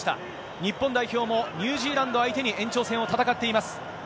日本代表もニュージーランド相手に延長戦を戦っています。